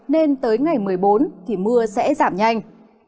nên tới ngày một mươi bốn thì mưa sẽ giảm nhanh